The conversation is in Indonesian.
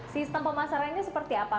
sistem pemasarannya seperti apa